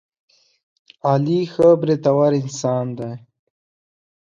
علي ښه برېتور انسان دی.